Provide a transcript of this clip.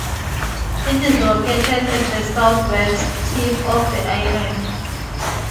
It is located at the southwest tip of the island.